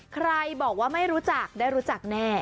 ใครบอกว่าไม่รู้จักได้รู้จักแน่